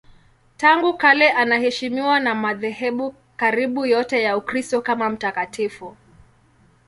Tangu kale anaheshimiwa na madhehebu karibu yote ya Ukristo kama mtakatifu.